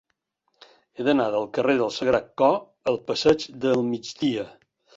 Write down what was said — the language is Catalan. He d'anar del carrer del Sagrat Cor al passeig del Migdia.